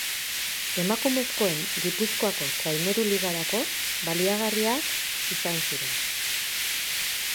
Emakumezkoen Gipuzkoako Traineru Ligarako baliagarriak izan ziren.